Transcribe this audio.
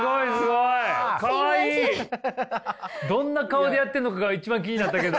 どんな顔でやってんのかが一番気になったけど。